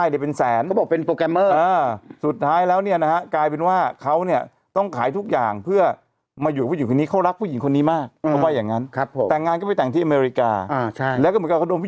ใช่แล้วก็เหมือนกับเขาโดนผู้หญิงคนนี้หลอกเขาว่าอย่างงั้นอืมอ่านะฮะ